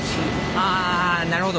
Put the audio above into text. あなるほど。